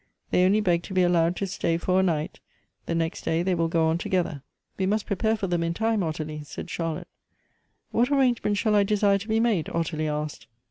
They only beg to be allowed to stay for a night ; the next day they will go on together." "We must prepare for them in time, Ottilie," said Charlotte. " What arrangement shall I desire to be made? " Ottilie asked.